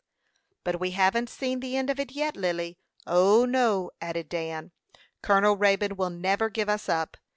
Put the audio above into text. "But we haven't seen the end of it yet, Lily. O, no," added Dan, "Colonel Raybone will never give us up.